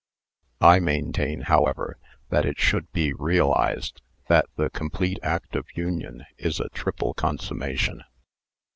I maintain, however, that it should be realised that the complete act of union is a triple consummation.